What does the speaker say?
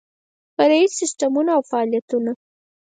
فرعي سیسټمونه او فعالیتونه